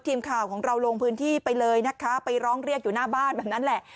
ทีมข่าวของเราลงพื้นที่ไปเลยนะคะไปร้องเรียกอยู่หน้าบ้านแบบนั้นแหละ